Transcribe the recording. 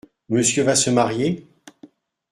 Monsieur va se marier ?